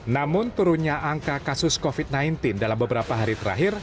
namun turunnya angka kasus covid sembilan belas dalam beberapa hari terakhir